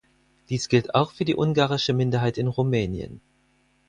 Dies gilt auch für die ungarische Minderheit in Rumänien.